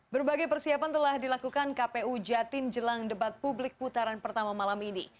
berbagai persiapan telah dilakukan kpu jatim jelang debat publik putaran pertama malam ini